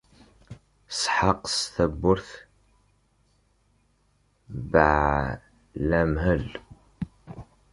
Ṣeḥḥa qqes tawurt beɛlamhel.